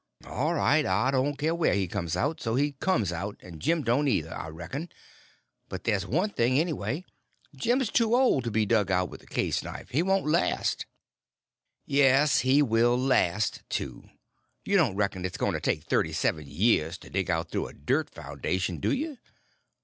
"All right—I don't care where he comes out, so he comes out; and Jim don't, either, I reckon. But there's one thing, anyway—Jim's too old to be dug out with a case knife. He won't last." "Yes he will last, too. You don't reckon it's going to take thirty seven years to dig out through a dirt foundation, do you?"